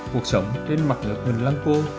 cuộc sống trên mặt nửa hình lăng cô